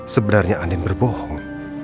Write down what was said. sebenarnya andin berbohong